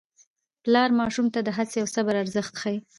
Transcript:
پلار ماشومانو ته د هڅې او صبر ارزښت ښيي